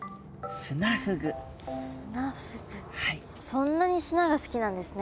そんなに砂が好きなんですね